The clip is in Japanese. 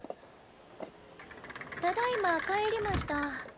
ただいま帰りました。